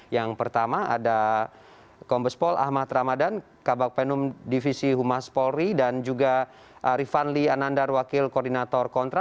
yang pertama ada kombespol ahmad ramadhan kabupenum divisi humas polri dan juga rifan lee anandar wakil koordinator kontra